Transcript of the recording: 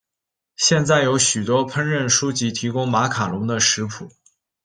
现在有许多烹饪书籍提供马卡龙的食谱。